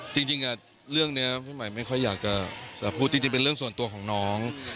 จริงเรื่องนี้พี่หมายไม่ค่อยอยากจะพูดจริงเป็นเรื่องส่วนตัวของน้อง